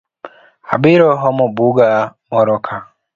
Abiro omo buga moroka